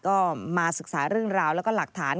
ก็มาศึกษาเรื่องราวแล้วก็หลักฐาน